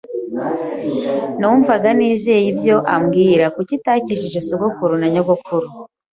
Numvaga ntizeye ibyo ambwira: kuki itakijije sogokuru na nyogokuru?